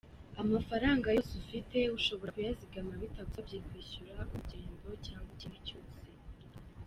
Amafaranga yose ufite ushobora kuyazigama bitagusabye kwishyura urugendo cyangwa ikindi cyose.